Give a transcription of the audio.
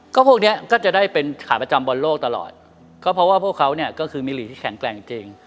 ก็พวกเนี้ยก็จะได้เป็นขาประจำบอลโลกตลอดก็เพราะว่าพวกเขาเนี่ยก็คือมีหลีกที่แข็งแกร่งจริง